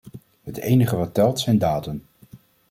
Het enige wat telt zijn daden.